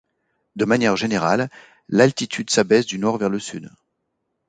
De manière générale l'altitude s'abaisse du nord vers le sud.